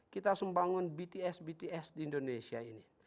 kita harus membangun bts bts di indonesia ini